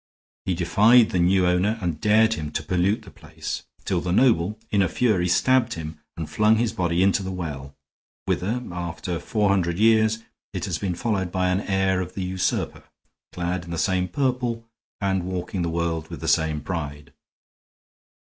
He defied the new owner and dared him to pollute the place, till the noble, in a fury, stabbed him and flung his body into the well, whither, after four hundred years, it has been followed by an heir of the usurper, clad in the same purple and walking the world with the same pride."